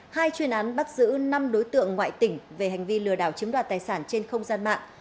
hai chuyên án bắt giữ năm đối tượng ngoại tỉnh về hành vi lừa đảo chiếm đoạt tài sản trên không gian mạng